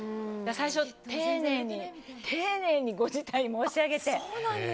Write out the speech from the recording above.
最初、丁寧に丁寧にご辞退申し上げて。